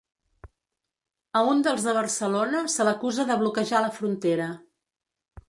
A un dels de Barcelona se l’acusa de bloquejar la frontera.